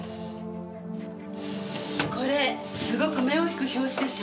これすごく目を引く表紙でしょう？